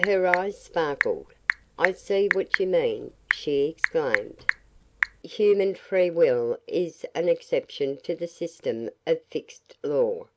Her eyes sparkled. "I see what you mean!" she exclaimed. "Human Free Will is an exception to the system of fixed Law.